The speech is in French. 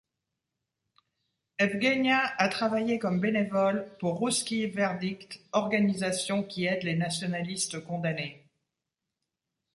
Evguenia a travaillé comme bénévole pour Rousskii Verdict, organisation qui aide les nationalistes condamnés.